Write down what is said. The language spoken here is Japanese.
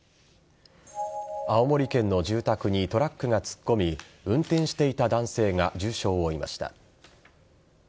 青森県の住宅にトラックが突っ込み運転していた男性が重傷を負いました。